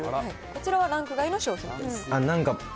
こちらはランク外の商品です。